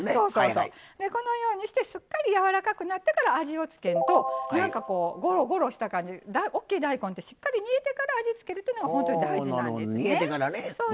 このようにしてすっかりやわらかくなってから味を付けるとごろごろした感じ大きい大根って、しっかり味を付けるというのが本当に大事なんですね。